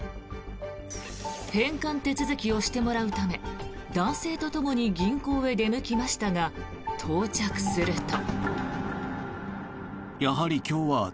返還手続きをしてもらうため男性とともに銀行へ出向きましたが到着すると。